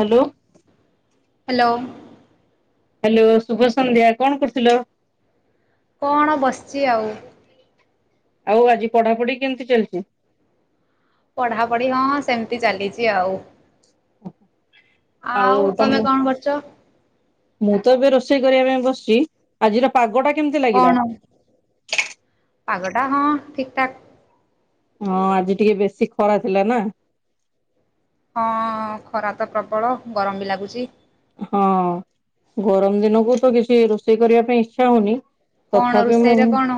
Hello. Hello. Hello ଶୁଭ ସନ୍ଧ୍ୟା। କଣ କରୁଥିଲ? କଣ ବସିଛି ଆଉ। ଆଉ ଆଜି ପଢାପଢି କେମିତି ଚାଲିଚି। ପଢାପଢି ହଁ ସେମିତି ଚାଲିଚି ଆଉ। ଆଉ ତମେ ତମ କଣ କରୁଛ? ମୁଁ ତ ଏବେ ରୋଷେଇ କରିବା ପାଇଁ ବସିଛି। ଆଜିର ପାଗଟା କେମିତି କଣ? ଲାଗିଲା। ପାଗଟା ହଁ ଠିକ ଠାକ। ହଁ ଆଜି ଟିକେ ବେଶୀ ଖରା ଥିଲା ନା। ହଁ ଖରା ତ ପ୍ରବଳ, ଗରମ ବି ଲାଗୁଛି। ହଁ ଗରମ ଦିନକୁ ତ କିଛି ରୋଷେଇ କରିବା ପାଇଁ ଇଚ୍ଛା ହଉନି। କଣ ତଥାପି ମୁଁ ରୋଷେଇରେ କଣ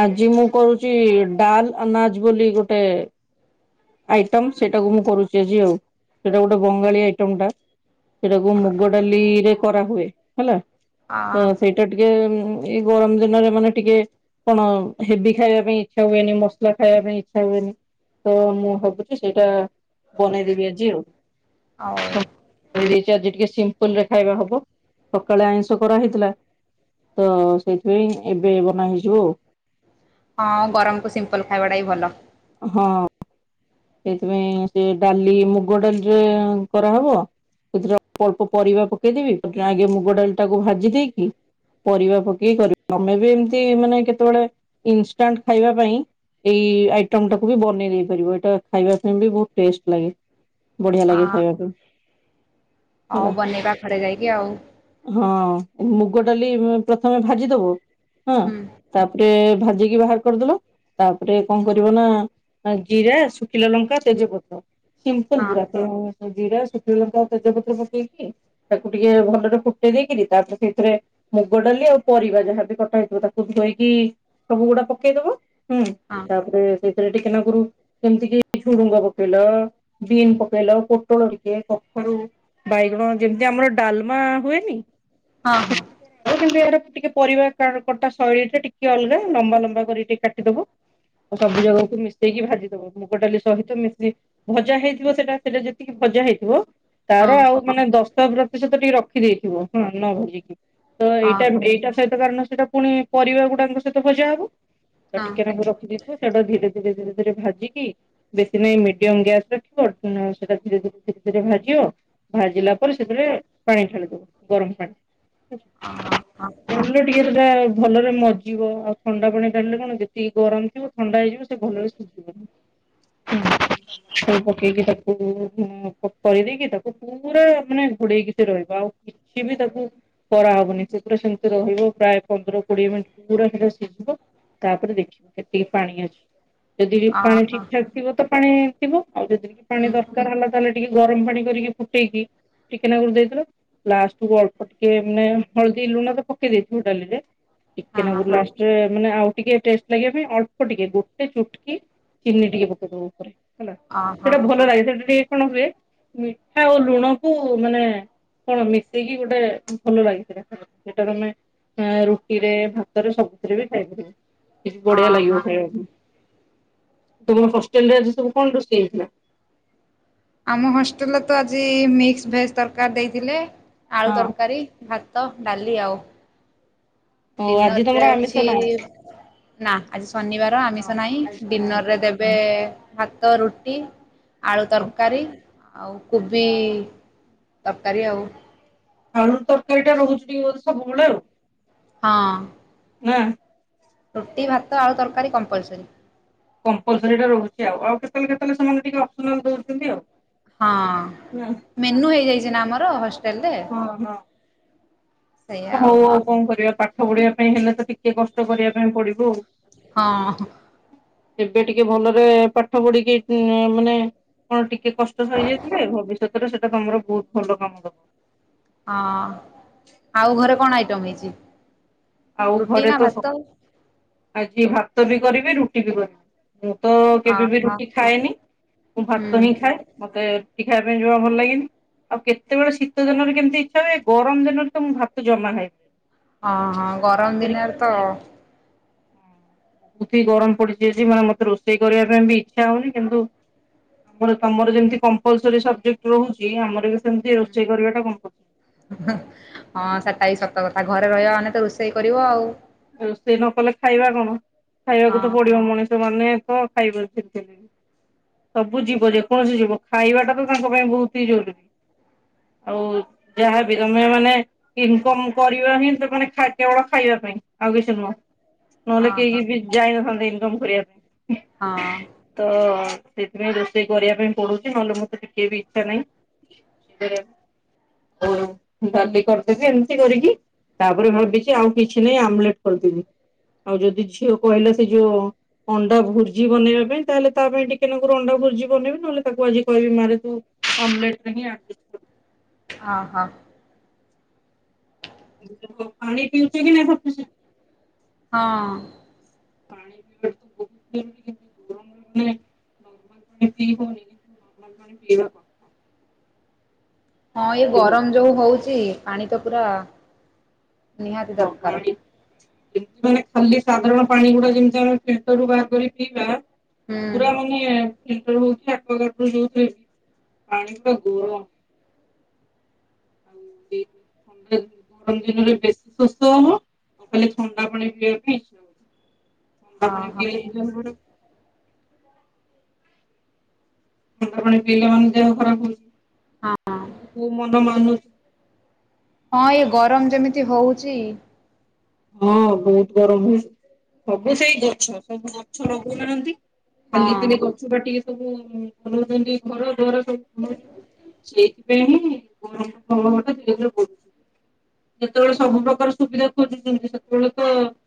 ଆଜି ମୁଁ କରୁଛି ଡାଲ ଅନାଜ ବୋଲି ଗୋଟେ ଆଇଟମ୍ ସେଇଟାକୁ ମୁଁ କରୁଛି ଆଜି ଆଉ, ସେଇଟା ଗୋଟେ ବଙ୍ଗାଳୀ ଆଇଟମ୍ ଟା। ସେଟାକୁ ମୁଗ ଡାଲିରେ କରାହୁୁଏ ହେଲା, ଆ ତ ସେଇ ଏଟା ଟିକେ ଏଇ ଗରମ ଦିନରେ ମାନେ ଟିକେ କଣ ହେବି ଖାଇବା ପାଇଁ ଇଚ୍ଛା ହୁଏନି, ମସଲା ଖାଇବା ପାଇଁ ଇଚ୍ଛା ହୁଏନି ତ ମୁଁ ଭାବୁଛି ସେଇଟା ବନେଇଦେବି ଆଜି ଆଉ। ଆଉ। କରିଦେଇଛି ଆଜି ଟିକେ ସିମ୍ପଲ୍ ରେ ଖାଇବା ହବ, ସକାଳେ ଆଇଁଷ କରାହଇଥିଲା। ତ ସେଇଥିପାଇଁ ଏବେ ବନା ହେଇଯିବ ଆଉ। ହଁ ଗରମ କୁ ସିମ୍ପଲ ଖାଇବାଟା ହିଁ ଭଲ। ହଁ ସେଇଥିପାଇଁ ସେ ଡାଲି ମୁଗ ଡାଲିରେ କରାହବ କେତେଟା ଅଳ୍ପ ଅଳ୍ପ ପରିବା ପକେଇଦେବି, ଆଗେ ମୁଗ ଡାଲି ଟାକୁ ଭାଜି ଦେଇକି ପରିବା ପକେଇ କରିବି, ତମେ ବି ଏମତି ମାନେ କେତେବେଳେ ଇନଷ୍ଟାଣ୍ଟ ଖାଇବା ପାଇଁ ଏଇ ଆଇଟମ୍ ଟାକୁ ବି ବନେଇ ଦେଇ ପାରିବ, ଏଇଟା ଖାଇବା ପାଇଁ ବି ବହୁତ ଟେଷ୍ଟ ଲାଗେ। ବଢିଆ ହଁ ଲାଗେ ଖାଇବା ପାଇଁ ହେଲା। ହଉ ବନେଇଵା ଘରେ ଯାଇକି ଆଉ। ହଁ ମୁଗ ଡାଲି ପ୍ରଥମେ ଭାଜି ଦବୁ, ହଁ ହୁଁ ତାପରେ ଭାଜିକି ବାହାର କରିଦେଲ, ତାପରେ କଣ କରିବ ନା ଜିରା, ଶୁ ଖିଲା ଲଙ୍କା ତେଜପତ୍ର ସିମ୍ପଲ ହଁ ପୁରା ତେଣୁ ଜିରାା, ଶୁଖିଲ ଲଙ୍କା, ତେଜପତ୍ର ପକେଇକି ତାକୁ ଟିକେ ଭଲରେ ଫୁଟେଇ ଦେଇକିରି ତାପରେ ସେଥିରେ ମୁଗ ଡାଲି ଆଉ ପରିବା ଯାହାବି କଟା ହେଇଥିବ ତାକୁ ଧୋଇକି ସବୁ ଗୁଡା ପକେଇଦବ। ହୁଁ ହଁ। ତାପରେ ସେଥିରେ ଟିକେନାକୁରୁ ସେମିତି କି ଝୁଡୁଙ୍ଗ ପକେଇଲ, ବିନ୍ ପକେଇଲ, ପୋଟଳ ଟିକେ, କଖାରୁ ବାଇଗଣ ଯେମିତି ଆମର ଡାଲ୍ମା ହୁଏନି ହଁ ହଁ କିନ୍ତୁ ଏହାର ଟିକେ ପରିବା କଟା ଶୈଳୀ ଟା ଟିକେ ଅଲଗା ଲମ୍ବା ଲମ୍ବା କରି ଟିକେ କାଟିଦଵ। ଆଉ ସବୁଜାକକୁ ମିଶେଇକି ଭାଜି ଦବ। ମୁଁ ମୁଗଡାଲି ସହିତ ମିଶି ଭଜା ହେଇଥିବ ସେଟା ସେଟା ଯେତିକି ଭଜା ହେଇଥିବ ହଁ ତାର ଆଉ ମାନେ ଦଶ ପ୍ରତିଶତ ଟିକେ ରଖିଦେଇଥିବ ହଁ ନ ଭଜିକି। ତ ଏଇଟା ଏଇଟା ସହିତ କାରଣ ସେଟା ପୁଣି ପରିବା ଗୁଡାକ ସହିତ ଭଜା ହବ। ତ ହଁ ଟିକେନାକୁ ରଖିଦେଇଥିବ ସେଇଟା ଧୀରେ ଧୀରେ ଧୀରେ ଧୀରେ ଭାଜିକି ବେଶୀ ନାଇଁ ମିଡିୟମ ଗ୍ୟାସ୍ ରଖିବ ସେଟା ଧୀରେ ଧରେ ଧୀରେ ଧୀରେ ଭାଜିବ। ଭାଜିଲା ପରେ ସେଥିରେ ପାଣି ଠାଳିଦବ ଗରମ ପାଣି। ହଁ ହଁ ହଁ। ଭାଜିଲେ ଟିକେ ସେଟା ଭଲରେ ମରିଜିବ ଆଉ ଥଣ୍ଡା ପାଣି ଡାଳିଲେ କଣ ଯେତିକି ଗରମ ଥିବ ଥଣ୍ଡା ହେଇଯିବ ସେ ଭଲରେ ସିଝିବନି। ପକେଇକି ତାକୁ କରିଦେଇକି ତାକୁ ପୁରା ମାନେ ଘୋଡେଇକି ସେ ରହିବ ଆଉ। ସଏ ବି ତାକୁ କରାହବନି ସେଗୁରା ସେମିତି ରହିବ ପ୍ରାୟ ପନ୍ଦର କୋଡିଏ ମିନିଟ। ପୁରା ସେଟା ସିଝିବ ତାପରେ ଦେଖିବୁ କେତିକି ପାଣି ଅଛି ଯଦି ପାଣି ଅହ ଠିକ ଫୁଟିବ ତ ପାଣି ଥିବ ଆଉ ଯଦିି ପାଣି ହୁଁ ଦରକାର ହେଲା ତାହେଲେ ଟିକେ ଗରମ ପାଣି କରିକି ଫୁଟେଇକି ଟିକେନାକୁରୁ କରି ଦେଇ ଲାଷ୍ଟକୁ ଅଳ୍ ଆ ଟିକେ ମାନେ ହଳଦୀ ଲୁଣ ତ ପକେଇ ଦେଇଥିବ ଡାଲିରେ ହଁ ଟିକେନାକୁରୁ ଲା ମାନେ ଆଉ ଟିକେ ଟେଷ୍ଟ ଲାଗ ପାଇଁ ଅଳ୍ପ ଟିକେ ଗୋଟେ ଚୁଟକି ଚିନି ଟିକେ ପକେଇଦବ ଉପରେ ହେଲା ହଁ ଅହ ସେଇଟା ଭଲ ଲାଗେ ସେଇଟା ଟିକେ କଣ ହୁଏ ମିଠା ଆଉ ଲୁଣକୁୁ ମାନେ କଣ ମିଶେଇକି ଗୋଟେ ଭଲ ଲାଗେ ସେଟା ସେଟାରୁ ଆମେ ରୁଟିରେ ଭାତରେ ସବୁଥିରେ ବି ଖାଇପାରିବ। ବଢିଆ ଲାଗିବ ଅହ ଖାଇବାକୁ। ତୁମ ହଷ୍ଟେଲ ରେ ଆଜି ସବୁ କଣ ରୋଷେଇ ହେଇଥିଲା? ଆମ ହୋଷ୍ଟେଲରେ ତ ଆଜି ମିକ୍ସ ଭେଜ୍ ତରକାର ଦେଇଥିଲେ ଆଳୁ ହଁ ତରକାରୀ ଭା ତ ଡାଲି ଆଉ। ଓ ଆଜି ତମର ଡିନରରେ ଆମିଷ ଅଛି ନାହିଁ? ନା ଆଜି ଶନିବାର ହଁ, ଆମିଷ ନାହିଁ ଆଜି ମୋର ଆମିଷ ଡିନର ରେ ନାହିଁ। ଦେ ଏବେ ଭାତ ରୁଟି ଆଳୁ ତରକାରୀ। ଆଉ କୋବି ତରକାରୀ ଆଉ ଆାଳୁ ତରକାରୀ ଟା ରହୁଛି ତ ସବୁବେଳେ ଆଉ। ହଁ ହୁଁ ରୁଟି ଭାତ ଆଳୁ ତରକାରୀ କମ୍ପଲସରୀ। କମ୍ପଲସୀ ଟା ରହୁଛି ଆଉ ଆଉ କେତେବେଳେ କେତେବେଳେ ସେମାନେ ଟିକେ ଅପସନାଲ ଦଉଛନ୍ତି ଆଉ। ହଁ ହଁ ମେନୁ ହେଇଯାଇଛି ନା ଆମର ହ ହଁ ହଁ। ହଉ ଆଉ କଣ କରିବା ପାଠ ପଢିବା ପାଇଁ ହେଲେ ତ ଟି ଟିକେ କଷ୍ଟ କରିବା ପାଇଁ ପଡିବ ଆଉ। ହଁ ଏବେ ଟିକେ ଭଲରେ ପାଠ ପଢିକି ମାନେ କଣ ଟିକେ କଷ୍ଟ ସହିଯାଇଥିଲେ ଭବିଷ୍ୟତରେ ସେଟା ତମର ବହୁତ ଭଲ କାମ ଦବ। ହଁ ଆଉ ଘରେ କଣ ଆଇଟମ୍ ହେଇଛି? ଆଉ ରୁଟି ଘରେ ନା ତ ସ ଭାତ? ଆଜି ଭାତ ବି କରିବି ରୁଟି ବି କରିବି। ମୁଁ ତ କେବେ ବି ଅହ। ରୁଟି ଖାଏନି ମୁଁ ହୁଁ ଭାତ ହିଁ ଖାଏ। ମତେ ରୁଟି ଖାଇବା ପାଇଁ ଜମା ଭଲ ଲାଗେନି। ଆଉ କେତେବେଳେ ଶୀତ ଦିନରେ କେମିତି ଇଚ୍ଛା ହୁଏ ଗରମ ଦିନରେ ତ ମୁଁ ଭାତ ଜମା ଖାଇ ହଁ ହଁ ଗରମ ଦିନରେ ତ ବହୁତି ଗରମ ପଡିଛି ଯଦି ମାନେ ମତେ ରୋଷେଇ କରିବା ପାଇଁ ବି ଇଚ୍ଛା ହଉନି କିନ୍ତୁ ଆମର ତମର ଯେମିତି କମ୍ପଲ୍ସରୀ ସବଜେକ୍ଟ ରହୁଛି ଆମର ବି ସେମତି ରୋଷେଇ କରିବାଟା କ ହଁ ସେଟା ହି ସତ କଥା ଘରେ ରହିବା ମାନେ ତ ରୋଷେଇ କରିବ ଆଉ। ରୋଷେଇ ନ କଲେ ଖାଇବା କଣ ଖାଇବାକୁ ତ ହଁ ପଡିବ ମଣିଷ ମାନେ ତ [unintelligible] ସବୁ ଜୀବ ଯେକୌଣସି ଜୀବ ଖାଇବାଟା ତ ତାଙ୍କ ପାଇଁ ବହୁତ ହି ଜରୁରୀ। ଆଉ ଯାହାବି ତମେ ମାନେ ଇନକମ୍ କରିବା ହିଁ ମାନେ କେବଳ ଖାଇବା ପାଇଁ। ଆଉ କିଛି ନୁହଁ ନହେଲେ ଓହୋ କେହି ବି ଯାଇନଥାନ୍ତେ ଇନକମ କରିବାକୁ। ହଁ। ତ ସେଥିପାଇଁ ରୋଷେଇ କରିବା ପାଇଁ ପଡୁଛି ନହେଲେ ମୋତେ ଟିକେ ବି ଇଚ୍ଛା ନାହିଁ। [unintelligible] ହ ଡାଲି କରିଦେବି ଏମିତି କରିକି ତାପରେ ଭାବିଛି ଆଉ କିଛି ନାଇଁ ଆମ୍ଲେଟ୍ କରିଦେବି ଆଉ ଯଦି ଝିଅ କହିଲା ସେ ଯୋଉ ଅଣ୍ଡା ଭୋଜି ବନେଇବା ପାଇଁ ତାହେଲେ ତା ପାଇଁ ଟିକେ ନାକରୁ ଅଣ୍ଡା ଭୋଜି ବନେଇବି ନହେଲେ ତାକୁ ଆଜି କହିବି ମାରେ ତୁ ଆମ୍ଲେଟ୍ ରେ ହିଁ ଅର୍ଜେଷ୍ଟ ଅ ହଁ। ପାଣି ପିଉଛ କି ନାହିଁ ସପୁସେଣ୍ଟ? ହଁଅ। [unintelligible] ନର୍ମାଲ ପାଣି ପିଇ ହୋଉନି କିନ୍ତୁ ନର୍ମାଲ ପାଣି ପିଇବା କଥା। ହଁ ଏଇ ପିଇଲେ ଭଲ। ଗରମ ଯୋଉ ହଉଛି ପାଣି ତ ପୁରା ନିହାତି ହଁ ଦରକାର ପାଣି ପିଲ୍ଟାର ମାନେ ଖାଲି ସାଧାରଣ ପାଣି ଗୁଡା ଯେମିତି ଆମେ ପିଲ୍ଟର୍ ରୁ ବାହାର କରି ପିଇବା। ହୁଁ ପୁରା ମାନେ [unintelligible] [inaudible] [unintelligible] ଥଣ୍ଡା ପାଣି ଓହୋ ପିଆଇ [unintelligible] ଥଣ୍ଡା ପାଣି ପିଇଲା ମାନେ ଦେହ ଖରାପ୍ ହଁ ହଉଛି କୋଉ ମନ ମାନୁଛି। ହଁ ଏଇ ଗରମ ଯେମିତି ହଉଛି ହଁ ବହୁତ୍ ଗରମ ହୋଇଛି ସବୁ ସେଇ ଗଛ ସବୁ ଗଛ ଲଗଉନାହାନ୍ତି। ଆଜି ହଁ କାଲି ଗଛ କାଟିକି ସବୁ ବନଇଛନ୍ତି ଘର ଦ୍ୱାର। [unintelligible] [unintelligible] ଯେତେବେଳେ ସବୁ ପ୍ରକାର ସୁବିଧା [unintelligible] [unintelligible]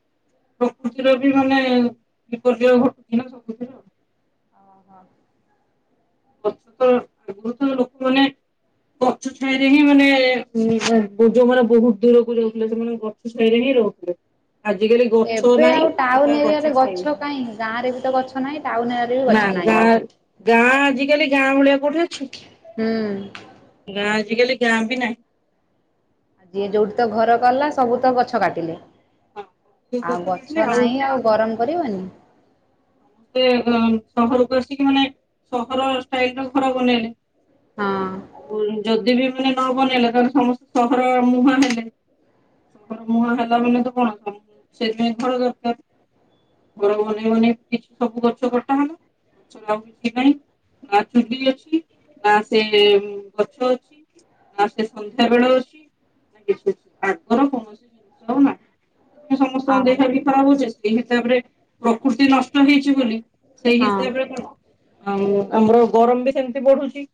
ପ୍ରକୃତିର ବି ମାନେ ବିପର୍ଯ୍ୟୟ ଘଟୁଛି ନା ସବୁଥିରେ। ଅହୋ। ଗଛ ତ ବହୁତ୍ ଲୋକମାନେ ଗଛ ଛାଇରେ ହିଁ ମାନେ [unintelligible] ଯୋଉମାନେ ବହୁତ ଦୂରକୁ ଯାଉଥିଲେ ସେମାନେ ଗ [unintelligible] ଗଛ ଛାଇରେ ହିଁ ରହୁଥିଲେ। ଆଜିକାଲି ଗଛ ଏବେ ଆଉ ନାହିଁ ଟାଉନ୍ ତା ଏରିଆରେ ଛାଇ ଗଛ କାଇ ଗାଁରେ ବି ତ ଗଛ ନାହିଁ? ଟାଉନ୍ ଏରିଆ ରେ ବି ନା ଗଛ ନାହିଁ ଗାଁ ଆଉ ଗାଁ ଆଜିକାଲି ଗାଁ ଭଳିଆ କୋଉଠି ଅଛି? ହୁଁ ଗାଁ ଆଜିକାଲି ଗାଁ ବି ନାହିଁ ଯିଏ ଯୋଉଠି ତ ଘର କଲା ସବୁ ତ ଗଛ କାଟିଲେ ଆଉ ଗଛ ନାହିଁ ଆଉ ଗରମ କରିବନି? ସେ ସହରକୁ ଆସିକି ମାନେ ସହର ଷ୍ଟାଇଲ୍ ରେ ଘର ବନେଇଲେ? ହଁ ଆଉ ଯଦି ବି ମାନେ ନ ବନେଇଲେ ତାହଲେ ସମସ୍ତ ସହର ମୁହାଁ ହେଲେ ସହର ମୁହାଁ ହେଲା ମାନେ କଣ ସମସ୍ତେ ସେଇଥିପାଇଁ ଘର ଦରକାର ଘର ବନେଇବ ନି ପୁଣି ସବୁ ଗଛ କଟାହେଲା ସେରା ଆଉ କିଛି ନାହିଁ ନା ସେ ଚୁଲି ଅଛି ନା ସେ ଗଛ ଅଛି ନା ସେ ସନ୍ଧ୍ୟା ବେଳେ ଅଛି ନା କି ସେ ଆଗର କୌଣସି ଜିନିଷ ଆଉ ନାହି ସେଥିପାଇ ସମସ୍ତଙ୍କ ଆଉ ଦେହ ବି ଖରାପ୍ ହଉଛି ସେଇ ହିସାବରେ ପ୍ରକୃତି ନଷ୍ଟ ହେଇଛି ବୋଲି ସେଇ ହଁ ହିସାବରେ କଣ ଆଉ ଆମର ଗରମ ବି ସେମତି ବଢୁଛି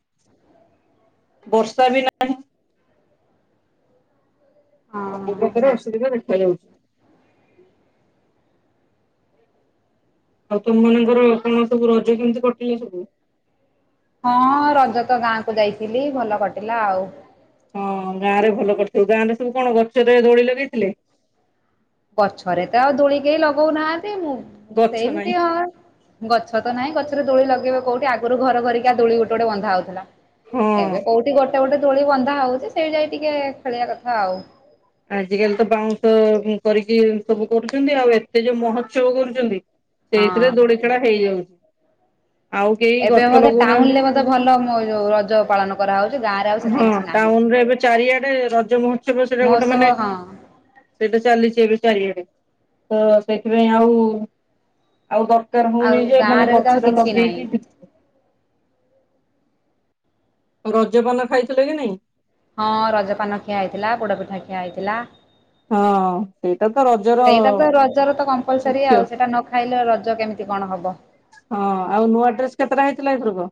ବର୍ଷା ବି ନାହିଁ ସବୁ ହଁ ପ୍ରକାରେ ଅସୁବିଧା ଦେଖାଯାଉଛି ଆଉ ତମମାନଙ୍କର କଣ ସବୁ ରଜ କେମିତି କଟିଲା ସବୁ? ହଁ ରଜ ତ ଗାଁ କୁ ଯାଇଥିଲି ଭଲ କଟିଲା ଆଉ ହଁ ଗାଁ ରେ ଭଲ କଟିଥିବ, ଗାଁ ରେ ସବୁ କଣ ଗଛ ରେ ଦୋଳି ଲଗେଇଥିଲେ? ଗଛରେ ତ ଆଉ ଦୋଳି କେହି ଲଗଉନାହାନ୍ତି, ମୁଁ ଗଛ ନାହିଁ। ସେମିତି ହଁ ଗଛ ତ ନାହିଁ ଗଛରେ ଦୋଳି ଲଗେଇବେ କଉଠି ଆଗରୁ ଘର ଘରିକା ଦୋଳି ଗୋଟେ ଗୋଟେ ବନ୍ଧା ହଉଥିଲା। ହଁ। ଏବେ କୋଉଠି ଗୋଟେ ଗୋଟେ ଦୋଳି ବନ୍ଧା ହଉଛି ସେଇଟି ଯାଇ ଟିକେ ଖେଳିବା କଥା ଆଉ ଆଜିକାଲି ତ ବାଉଁଶ କରିକି ସବୁ କରୁଛନ୍ତି ଆଉ ଏତେ ଯୋଉ ମହୋତ୍ସବ କରୁଛନ୍ତି ସେଇଥିରେ ହଁ ଦୋଳି ଖେଳ ହେଇଯାଉଛି। ଆଉ କେହି ଏବେ ଗଛ ବୋଧେ ଟାଉନରେ ଲଗଉନାହାନ୍ତି ନା ବୋଧେ ଭଲ ମୋ ରଜ ପାଳନ କରାହଉଛି, ଗାଁରେ ଆଉ ହଁ। ସେତେ କିଛି ନାହିଁ ଟାଉନ ରେ ଏବେ ଚାରିଆଡେ ରଜ ମହୋତ୍ସବ ସେଟା ଗୋଟେ ମହୋତ୍ସବ ମାନେ ହଁ ସେଇଟା ଚାଲିଛି ଏବେ ଚାରିଆଡେ ତ ସେଥିପାଇଁ ଆଉ ଆଉ ଦରକାର ଆଉ ହଉନି ଯେ ମାନେ ଗାଁରେ ବି ତ ଆଉ ଗଛରେ କିଛି ନାହିଁ। ଲଗେଇକି ରଜପାନ ଖାଇଥିଲ କି ନାଇଁ? ହଁ ରଜପାନ ଖିଆ ହେଇଥିଲା, ପୋଡ଼ ପିଠା ଖିଆ ହେଇଥିଲା ହଁ ସେଇଟା ତ ରଜର ସେଇଟା ତ ରଜ ର ତ କମ୍ପଲସରି ମୁଖ୍ୟ। ଆଉ ସେଇଟା ନ ଖାଇଲେ ରଜ କେମିତି କଣ ହେବ? ହଁ ଆଉ ନୂଆ ଡ୍ରେସ କେତେଟା ହେଇଥିଲା ଏଥରକ?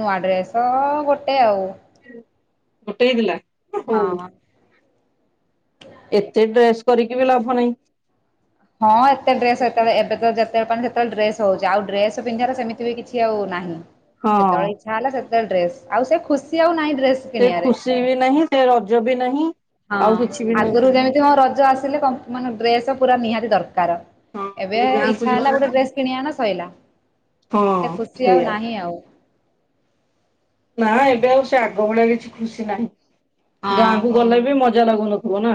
ନୂଆ ଡ୍ରେସ ଗୋଟେ ଆଉ, ଗୋଟେ ହେଇଥିଲା। ହଉ। ହଁ ହଁ ଏତେ ଡ୍ରେସ କରିକି ବି ଲାଭ ନାହିଁ। ହଁ ଏତେ ଡ୍ରେସ୍ ସେତେଳେ ଏବେ ତ ଯେତ ଯେତେବେଳେ ପାଉଛି ଡ୍ରେସ ହଉଛି, ଆଉ ଡ୍ରେସ ପିନ୍ଧିବାରେ ସେମିତି ବି କିଛି ଆଉ ନାହିଁ ହଁ ଯେତେବେଳେ ଯା ହେଲା ସେତେବେଳେ ଡ୍ରେସ, ଆଉ ସେ ଖୁସି ଆଉ ନାହିଁ ଡ୍ରେସ ସେ କିଣିବାରେ। ଖୁସି ବି ନାହିଁ, ସେ ରଜ ବି ନାହିଁ ହଁ, ଆଉ କିଛି ବି ନାହିଁ ଆଗରୁ ସେମିତି। ଯେମିତି ମୋ ରଜ ଆସିଲେ ମାନ ଡ୍ରେସ ପୁରା ନିହାତି ଦରକାର ହଁ ଏବେ ଖାଲି ଗାଁକୁ ଇଚ୍ଛା ଯିବା ହେଲା କଥା। ଗୋଟେ ଡ୍ରେସ୍ କିଣିଆଣ ସଇଲା, ସେ ହଁ ଖୁସି ଆଉ ସେଇଆ ନାହିଁ ଆଉ। ନା ଏବେ ଆଉ ସେ ଆଗ ଭଳିଆ କିଛି ଖୁସି ନାହିଁ, ହଁ। ଗାଁକୁ ଗଲେ ବି ମଜା ମଜା ଲାଗୁନଥିବ ନା?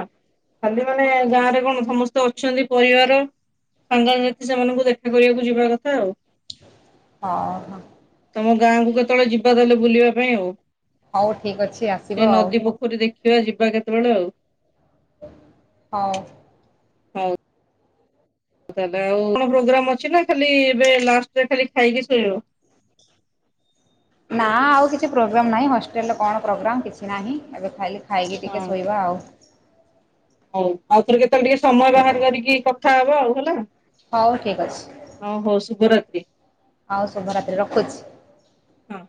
ଖାଲି ମାନେ ଗାଁରେ କଣ ସମସ୍ତେ ଅଛନ୍ତି ପରିବାର। ସାଙ୍ଗସାଥି ସେମାନଙ୍କୁ ଦେଖା କରିବାକୁ ଯିବ କଥା ଆଉ ହଁ ହଁ। ତମ ଗାଁକୁ କେତେବେଳେ ଯିବା ତାହେଲେ ବୁଲିବା ପାଇଁ ଆଉ। ହଉ ଠିକ୍ ଅଛି ଆସିବ ଆଉ। ପୁରୀ ଦେଖିବା ଯିବା କେତେବେଳେ ଆଉ। ହଉ। ଦାଦା ଆଉ, କଣ ପ୍ରୋଗ୍ରାମ ଅଛି ନା ଖାଲି ଏବେ ଲାଷ୍ଟରେ ଖାଲି ଖାଇକି ଶୋଇବ? ନା ଆଉ କିଛି ପ୍ରୋଗ୍ରାମ୍ ନାହିଁ। ହଷ୍ଟେଲରେ କଣ ପ୍ରୋଗ୍ରାମ୍ କିଛି ନାହିଁ ଏବେ ଖାଲି ଖାଇକି ଟିକେ ହଁ ଶୋଇବା ଆଉ। ହଉ ଆଉଥରେ କେତେବେଳେ ଟିକେ ସମୟ ବାହାର କରିକି କଥା ହବା ଆଉ ହେଲା। ହଉ ଠିକ୍ ଅଛି। ହଁ ହଉ ଶୁଭରାତି। ହଉ ଶୁଭରାତ୍ରୀ ରଖୁଛି। ହଁ।